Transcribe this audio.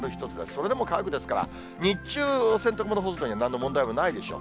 それでも乾くですから、日中、洗濯物干すのに、なんの問題もないでしょう。